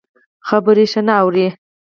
خبره ښه نه اوري.